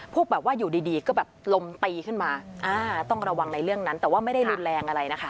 พวกแบบว่าอยู่ดีดีก็แบบลมตีขึ้นมาอ่าต้องระวังในเรื่องนั้นแต่ว่าไม่ได้รุนแรงอะไรนะคะ